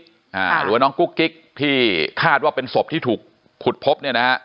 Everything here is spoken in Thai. หรือว่าน้องกุ๊กกิ๊กที่คาดว่าเป็นศพที่ถูกขุดพบเนี่ยนะฮะ